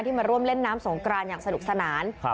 มาร่วมเล่นน้ำสงกรานอย่างสนุกสนาน